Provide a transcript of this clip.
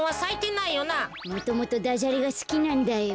もともとダジャレがすきなんだよ。